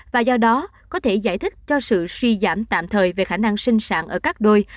và do đó có thể giải thích cho sự suy giảm tạm thời về khả năng sinh sản ở các đôi